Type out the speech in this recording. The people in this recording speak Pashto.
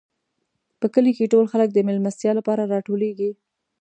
په کلي کې ټول خلک د مېلمستیا لپاره راټولېږي.